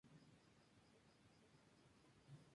El castillo de Zamora tiene una planta con forma de rombo.